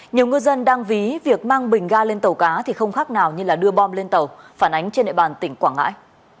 nhiều ngư dân đang ví việc mang bình ga lên tàu cá thì không khác nào như đưa bom lên tàu phản ánh trên địa bàn tỉnh quảng ngãi